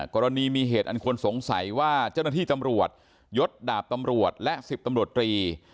กรณีมีเหตุอันควรสงสัยว่าเจ้าหน้าที่ตำรวจยดดาบตำรวจและ๑๐ตำรวจตรี